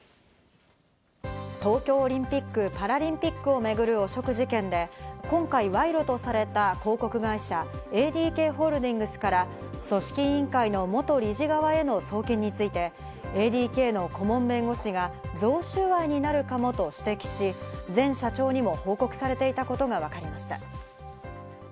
東京オリンピック・パラリンピックを巡る汚職事件で、今回、賄賂とされた広告会社ＡＤＫホールディングスから組織委員会の元理事側への送金について、ＡＤＫの顧問弁護士が贈収賄になるかもと指摘し、前社長にも報告されていたことがわかりました。